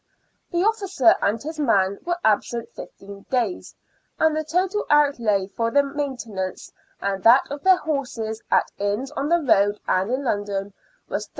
The officer and his man were absent fifteen days, and the total outlay for their main tenance and that of their horses at inns on the road and in London was 38s.